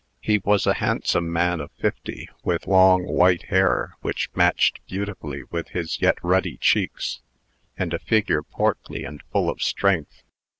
He was a handsome man of fifty, with long white hair, which matched beautifully with his yet ruddy cheeks, and a figure portly and full of strength.